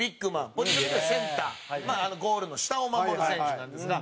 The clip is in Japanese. ポジションでいうとセンターゴールの下を守る選手なんですが。